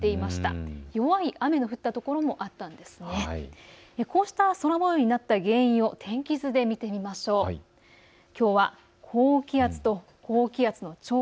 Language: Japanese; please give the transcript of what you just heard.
こうした空もようになった原因を天気図で見てみましょう。